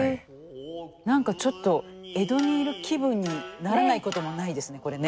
何かちょっと江戸にいる気分にならないこともないですねこれね。